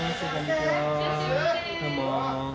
どうも。